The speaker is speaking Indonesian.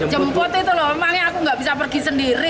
jemput itu loh emangnya aku nggak bisa pergi sendiri